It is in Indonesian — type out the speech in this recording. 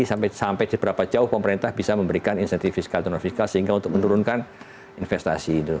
sampai seberapa jauh pemerintah bisa memberikan insentif fiskal non fiskal sehingga untuk menurunkan investasi itu